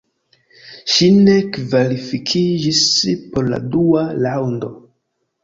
Ŝi ne kvalifikiĝis por la dua raŭndo.